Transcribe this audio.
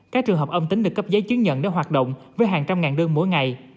các trường hợp âm tính được cấp giấy chứng nhận để hoạt động với hàng trăm ngàn đơn mỗi ngày